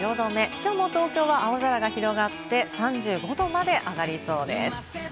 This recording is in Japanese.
きょうも東京は青空が広がって３５度まで上がりそうです。